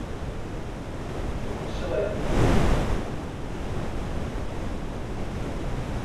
What shall I do with him?